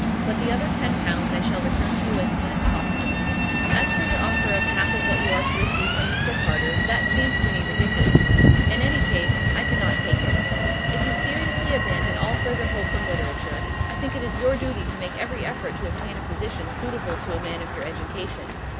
But the other ten pounds I shall return to you as soon as possible. As for your offer of half what you are to receive from Mr Carter, that seems to me ridiculous; in any case, I cannot take it. If you seriously abandon all further hope from literature, I think it is your duty to make every effort to obtain a position suitable to a man of your education.